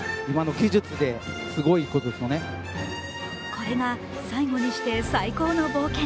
これが最後にして最高の冒険。